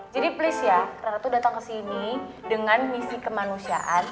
jadi please ya rara tuh datang kesini dengan misi kemanusiaan